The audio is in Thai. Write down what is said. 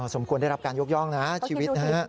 สมควรได้รับการยกย่องนะชีวิตนะฮะ